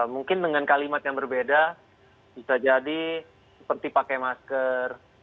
mungkin dengan kalimat yang berbeda bisa jadi seperti pakai masker